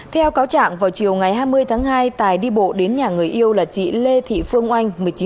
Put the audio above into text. theo cáo trạng vào chiều ngày hai mươi tháng hai tài đi bộ đến nhà người yêu là chị lê thị phương oanh